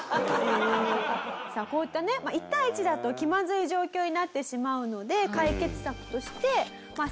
さあこういったね一対一だと気まずい状況になってしまうので解決策として。